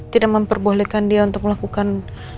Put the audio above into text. tidak memperbolehkan dia untuk melakukan